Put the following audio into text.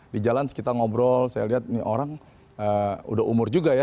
di jalan kita ngobrol saya lihat ini orang udah umur juga ya